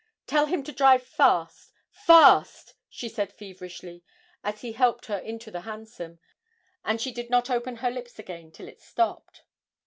'Tell him to drive fast fast,' she said feverishly, as he helped her into the hansom, and she did not open her lips again till it stopped.